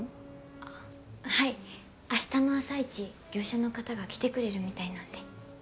あはい明日の朝イチ業者の方が来てくれるみたいなんで。